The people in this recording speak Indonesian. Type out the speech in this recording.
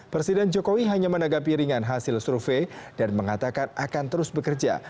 presiden jokowi hanya menanggapi ringan hasil survei dan mengatakan akan terus bekerja